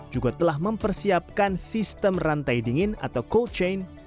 juga telah mempersiapkan sistem rantai dingin atau cold chain